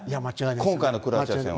今回のクロアチア戦でも。